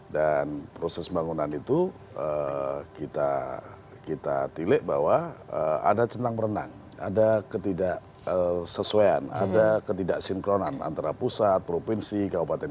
dan proses pembangunan itu kita kita tilik bahwa ada centang berenang ada ketidaksesuaian ada ketidaksinkronan antara pusat provinsi kabupaten kota